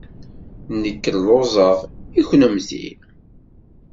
Nekk lluẓeɣ. I kennemti?